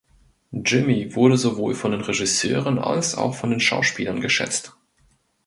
Jimmy wurde sowohl von den Regisseuren als auch von den Schauspielern geschätzt.